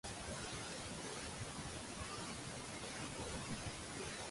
昨日の晩御飯はカレーだった。